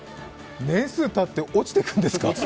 年数たって落ちていくんですか？